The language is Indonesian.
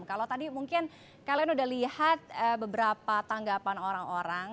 kalau tadi mungkin kalian udah lihat beberapa tanggapan orang orang